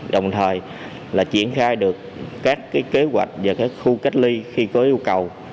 đồng thời là triển khai được các cái kế hoạch và các khu cách ly khi có yêu cầu